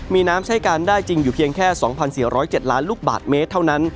มีน้ำใช้การได้จริงอยู่เพียงแค่๒๔๐๗ล้านลูกบาทเมตรเท่านั้น